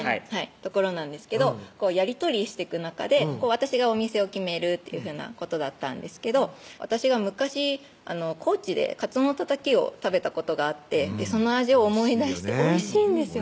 所なんですけどやり取りしてく中で私がお店を決めるっていうふうなことだったんですけど私が昔高知でかつおのたたきを食べたことがあってその味を思い出しておいしいよね